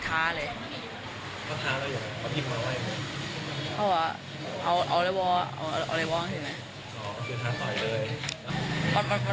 ขับมาถึงประมาณ๕นาทีก็เขาก็จ่อยฝั่งตัวข้าม